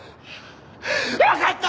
わかった！！